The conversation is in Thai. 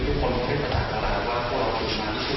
เพราะว่าเราไม่ได้รักมันจะมีเหตุการณ์ที่เราต้องรักกันใหม่